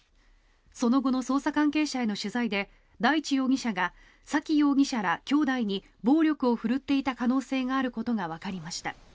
その後の捜査関係者への取材で大地容疑者が沙喜容疑者らきょうだいに暴力を振るっていた可能性があることがわかりました。